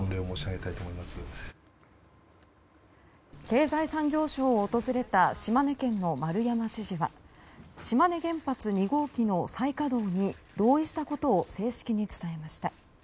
経済産業省を訪れた島根県の丸山知事は島根原発２号機の再稼働に同意したことを正式に伝えました。